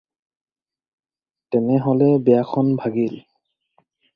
তেনেহ'লে বিয়াখন ভাগিল।